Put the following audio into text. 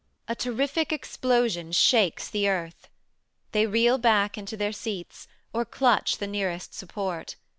A terrific explosion shakes the earth. They reel back into their seats, or clutch the nearest support.